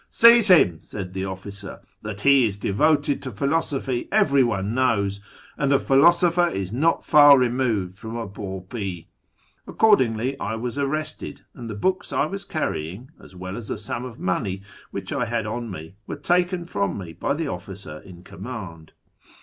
' Seize hira !' said the officer; 'that he is devoted to philosophy every one knows, and a philosopher is not far removed from a Bt'ibi'.' Accordingly I was arrested, and the books I was carrying, as well as a sum of money which I had on me, were taken from me by the officer in command.